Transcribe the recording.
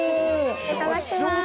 いただきます。